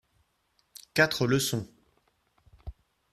Quatre leçons.